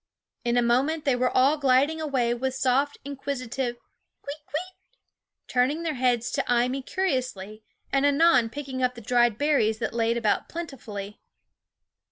In a moment they were all gliding away with soft, inquisitive kwit kwits, turn ing their heads to eye me curiously, and anon picking up the dried berries that lay about plentifully.